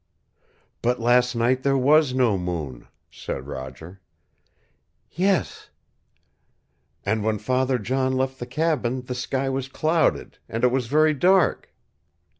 "But last night there was no moon," said Roger. "Yes " "And when Father John left the cabin the sky was clouded, and it was very dark."